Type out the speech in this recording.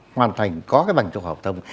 hoàn thành có cái bằng trung học phổ thông